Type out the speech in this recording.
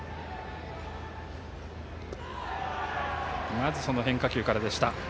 まず変化球からでした。